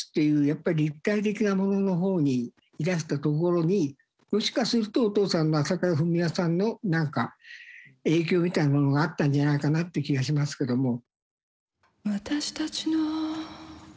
やっぱり立体的なものの方にいらしたところにもしかするとお父さんの朝倉文夫さんのなんか影響みたいなものがあったんじゃないかなって気がしますけども。